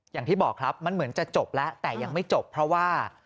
อย่างที่บอกครับมันเหมือนจะจบแล้วแต่ยังไม่จบเพราะว่า